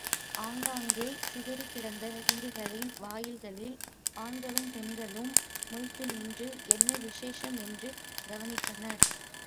ஆங்காங்கே சிதறிக்கிடந்த வீடுகளின் வாயில்களில் ஆண்களும் பெண்களும் மொய்த்து நின்று, என்ன விசேஷம் என்று கவனித்தனர்.